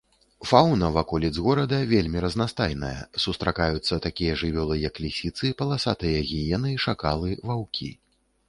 Фаўна ваколіц горада вельмі разнастайная, сустракаюцца такія жывёлы як лісіцы, паласатыя гіены, шакалы, ваўкі.